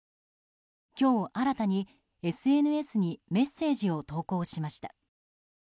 今日、新たにＳＮＳにメッセージを投稿しました。